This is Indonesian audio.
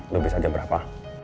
lebih saja berapa